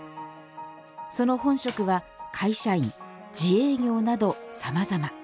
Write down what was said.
その本職は会社員、自営業などさまざま。